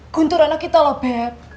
guntur anak kita loh beb